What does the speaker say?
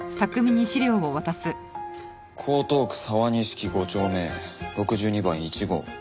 「江東区沢錦５丁目６２番１号」